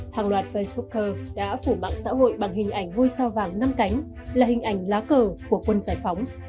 hàng loạt facebooker đã phủ mạng xã hội bằng hình ảnh ngôi sao vàng năm cánh là hình ảnh lá cờ của quân giải phóng